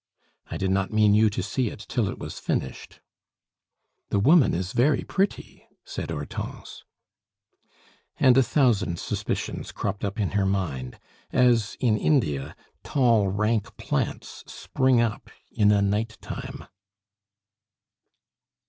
"I did not mean you to see it till it was finished." "The woman is very pretty," said Hortense. And a thousand suspicions cropped up in her mind, as, in India, tall, rank plants spring up in a night time.